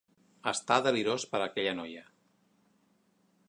Està delirós per aquella noia.